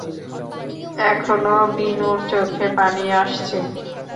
এখনো বিনুর চোখে পানি আসছে।